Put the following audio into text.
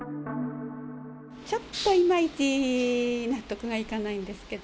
ちょっといまいち納得がいかないんですけど。